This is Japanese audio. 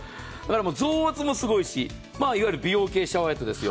増圧もすごいし、美容系シャワーヘッドですよ。